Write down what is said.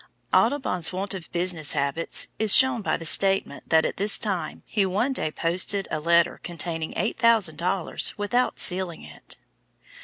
Audubon's want of business habits is shown by the statement that at this time he one day posted a letter containing eight thousand dollars without sealing it.